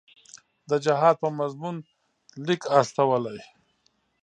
د جهاد په مضمون لیک استولی.